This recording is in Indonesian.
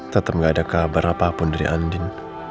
tetap nggak ada kabar apapun dari andin